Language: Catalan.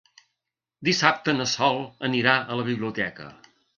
Dissabte na Sol anirà a la biblioteca.